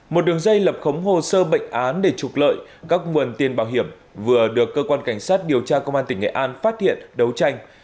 một đường dây lập khống hồ sơ bệnh án để trục lợi các nguồn tiền bảo hiểm vừa được cơ quan cảnh sát điều tra công an tỉnh nghệ an phát hiện đấu tranh